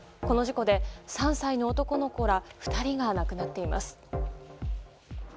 この事故で３歳の男の子ら２人が亡くなっています。